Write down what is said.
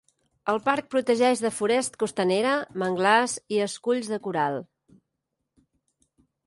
El parc protegeix de forest costanera, manglars i esculls de coral.